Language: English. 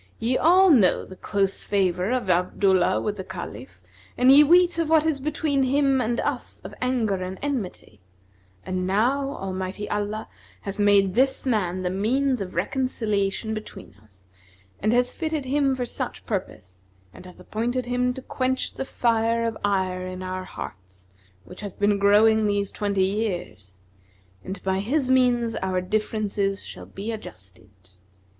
Ye all know the close favour of Abdullah with the Caliph and ye weet of what is between him and us of anger and enmity; and now Almighty Allah hath made this man the means of reconciliation between us; and hath fitted him for such purpose and hath appointed him to quench the fire of ire in our hearts, which hath been growing these twenty years; and by his means our differences shall be adjusted.